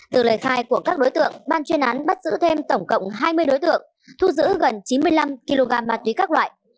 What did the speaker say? từ lời khai của các đối tượng ban chuyên án bắt giữ thêm tổng cộng hai mươi đối tượng thu giữ gần chín mươi năm kg ma túy các loại